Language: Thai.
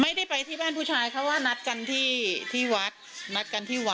ไม่ได้ไปที่บ้านผู้ชายเค้านัดกันที่วัด